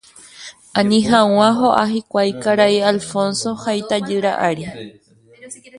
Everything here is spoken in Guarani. Ani hag̃ua ho'a hikuái karai Alfonso ha itajýra ári